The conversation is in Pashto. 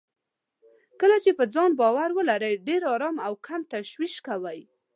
کله چې په ځان باور ولرئ، ډېر ارام او کم تشويش کوئ.